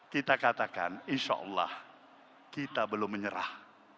kita katakan insya allah kita belum menyerah